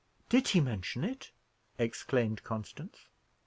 "Did he mention it?" exclaimed Constance.